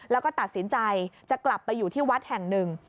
แล้วก็ตัดสินใจจะกลับไปอยู่ที่วัดแห่งหนึ่ง